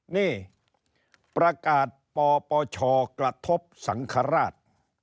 นี่ประกาศปปชกระทบสังฆราช